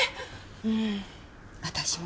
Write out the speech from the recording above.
うん私も。